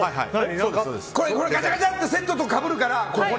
がちゃがちゃってセットとかぶるから。